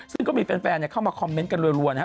ซึ่งก็มีแฟนเข้ามาคอมเมนต์กันรัวนะครับ